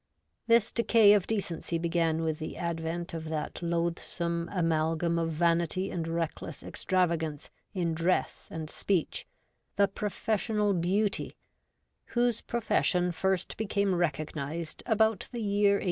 This decay of decency began with the advent of that loathsome amalgam of vanity and reckless ex travagance in dress and speech, the Professional Beauty, whose profession first became recognised about the year 1879.